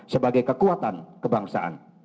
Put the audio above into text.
sebagai kekuatan kebangsaan